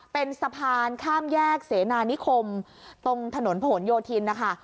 เป็นสะพานข้ามแยกเสนานิคมตรงถนนผนโยธินนะคะ